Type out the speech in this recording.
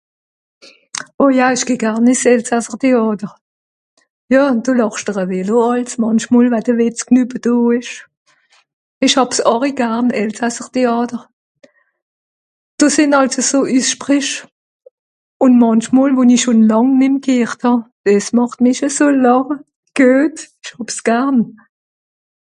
ô ja ìsch geh garn i's'elsasser théàter jo dò làchsch der e vélo àls mànchmol wa de wìtzgnüppe do esch ìsch hàb's àri garn elsasser théàter do sìnn àls e so üsssprìsch ùn mànchmol wo-n'i schòn làng nem g'heert hà des màcht mìch e so làche guet sch'hàb's garn